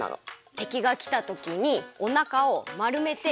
てきがきたときにおなかをまるめてジャンプ！